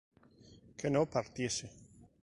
que no partiese